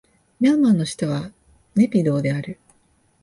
ミャンマーの首都はネピドーである